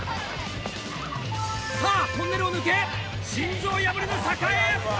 さぁトンネルを抜け心臓破りの坂へ！